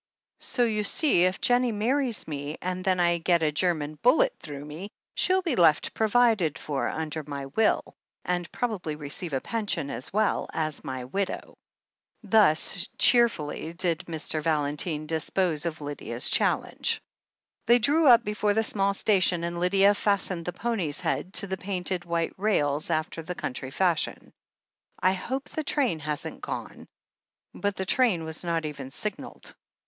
So you see, if Jennie marries me, and then I get a German bullet through* me, she'll be left provided for under my will, and probably receive a pension as well, as my widow." Thus cheerfully did Mr. Valentine dispose of Lydia's challenge. They drew up before the small station and Lydia fastened the pony's head to the painted white rails after the cotmtry fashion. "I hope the train hasn't gone." But the train was not even signalled.